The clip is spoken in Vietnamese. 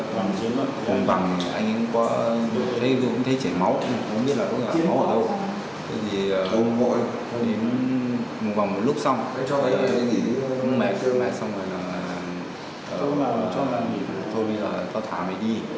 thì một vòng một lúc xong con mẹ cưới mẹ xong rồi là thôi bây giờ tao thả mày đi